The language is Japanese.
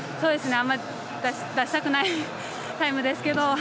あまり出したくないタイムですけど。